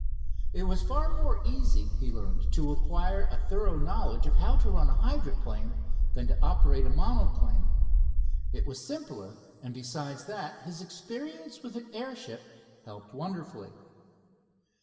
It was far more easy, he had learned, to acquire a thorough knowledge, of how to run a hydroplane than to operate a monoplane. It was simpler, and besides that his experience with an airship helped wonderfully.